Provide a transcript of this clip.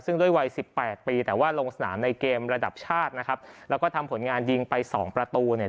ซึ่งด้วยวัยสิบแปดปีแต่ว่าลงสนามในเกมระดับชาตินะครับแล้วก็ทำผลงานยิงไปสองประตูเนี่ย